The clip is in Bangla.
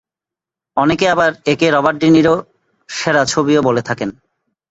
অনেকে আবার একে রবার্ট ডি নিরো সেরা ছবিও বলে থাকেন।